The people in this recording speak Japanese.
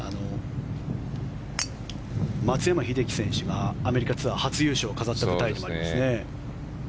松山英樹選手がアメリカツアー初優勝を飾った舞台でもありますね。